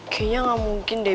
kayanya gak mungkin deh